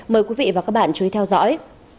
mời quý vị và các bạn chú ý theo dõi